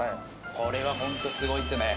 これはホントすごいっすね